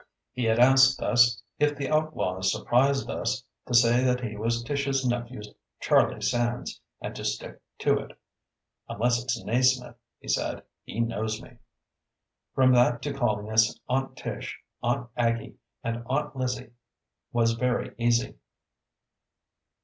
He had asked us, if the outlaws surprised us, to say that he was Tish's nephew, Charlie Sands, and to stick to it. "Unless it's Naysmith," he said. "He knows me." From that to calling us Aunt Tish, Aunt Aggie and Aunt Lizzie was very easy.